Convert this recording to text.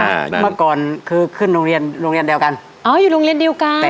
เมื่อก่อนคือขึ้นโรงเรียนโรงเรียนเดียวกันอ๋ออยู่โรงเรียนเดียวกัน